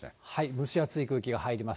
蒸し暑い空気が入ります。